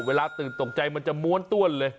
เวลาตื่นตกใจมันจะม้วนต้วนเลย